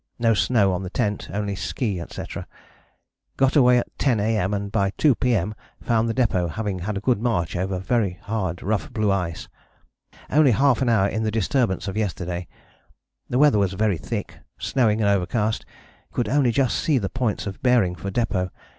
No snow on the tent, only ski, etc. Got away at 10 A.M. and by 2 P.M. found the depôt, having had a good march over very hard rough blue ice. Only ½ hour in the disturbance of yesterday. The weather was very thick, snowing and overcast, could only just see the points of bearing for depôt.